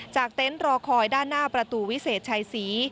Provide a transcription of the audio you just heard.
เต็นต์รอคอยด้านหน้าประตูวิเศษชัยศรี